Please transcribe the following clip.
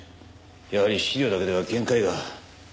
やはり資料だけでは限界が。